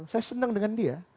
saya senang dengan dia